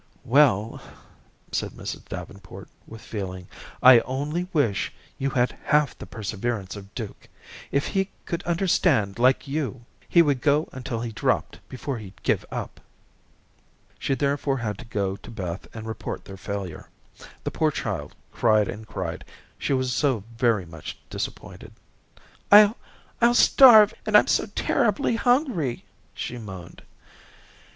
"Well," said Mrs. Davenport, with feeling, "I only wish you had half the perseverance of Duke. If he could understand like you, he would go until he dropped before he'd give up." She therefore had to go to Beth and report their failure. The poor child cried and cried, she was so very much disappointed. "I'll I'll starve, and I'm so terribly hungry," she moaned.